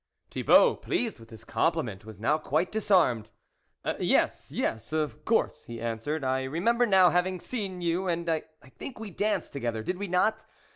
Thibault, pleased with this compliment, was now quite disarmed. " Yes, yes, of course," he answered, " I remember now having seen you; and I think we danced together, did we not?